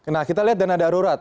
nah kita lihat dana darurat